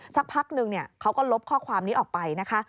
สักพักนึงเขาก็ลบข้อความนี้ออกไปนะคะ